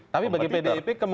tapi bagi pdip